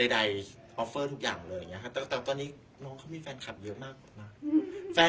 ใดออฟเฟอร์ทุกอย่างเลยอย่างเงี้ยค่ะ